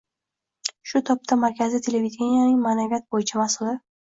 shu topda Markaziy televideniyening Ma’naviyat bo‘yicha mas’uli.